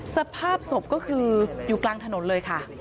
สภาพศพก็คืออยู่กลางถนนเลยค่ะ